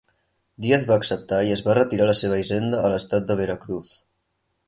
Díaz va acceptar i es va retirar a la seva hisenda a l'estat de Veracruz.